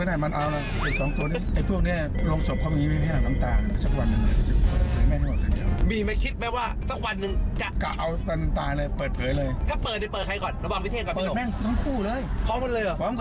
เอาง่ายดีอ่ะพี่แจ๊คค่ะเขาต้องตามกันต่อไปนะคะ